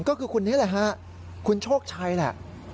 ก็คือคนนี้แหละฮะคุณโชคชัยแหละ